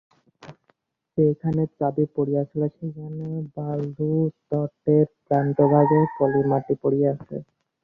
যেখানে চাবি পড়িয়াছিল সেখানে বালুতটের প্রান্তভাগে পলিমাটি পড়িয়াছে।